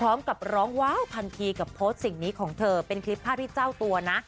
พร้อมกับร้องว้าวทันทีกับโพสต์สิ่งนี้ของเธอเป็นคลิปภาพที่เจ้าตัวนะ